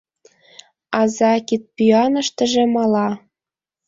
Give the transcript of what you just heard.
Аза кидпӱаныштыже мала.